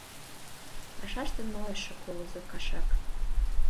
Пашаште нойышо колызо кашак.